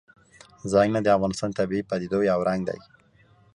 ځنګلونه د افغانستان د طبیعي پدیدو یو رنګ دی.